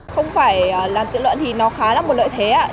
không phải làm tự luận thì nó khá là một lợi thế